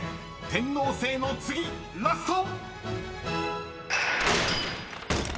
［「天王星」の次ラスト！］